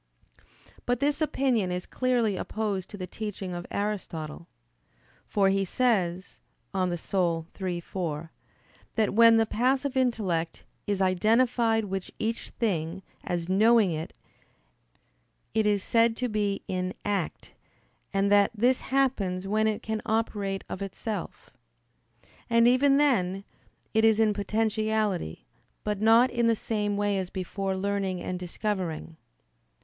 But this opinion is clearly opposed to the teaching of Aristotle. For he says (De Anima iii, 4) that, when the passive intellect "is identified with each thing as knowing it, it is said to be in act," and that "this happens when it can operate of itself. And, even then, it is in potentiality, but not in the same way as before learning and discovering."